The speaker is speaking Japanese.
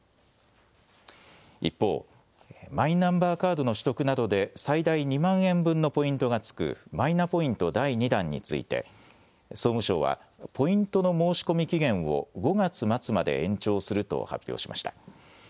一方、マイナンバーカードの取得などで、最大２万円分のポイントがつくマイナポイント第２弾について、総務省はポイントの申し込み期限を５月末まで延長すると発表しました。